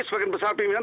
sebagian besar pimpinan